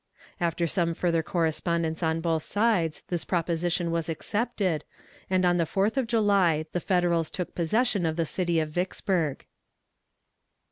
After some further correspondence on both sides this proposition was accepted, and on the fourth of July the Federals took possession of the city of Vicksburg.